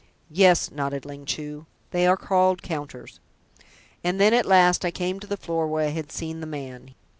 "Yes," nodded Ling Chu, "they are called counters. And then at last I came to the floor where I had seen The Man."